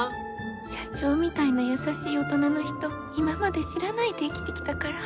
社長みたいな優しい大人の人今まで知らないで生きてきたから。